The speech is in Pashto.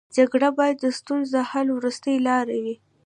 جګړه باید د ستونزو د حل وروستۍ لاره وي